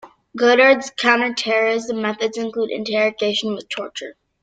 Godard's counter-terrorism methods included interrogation with torture.